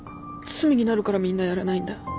罪になるからみんなやらないんだ。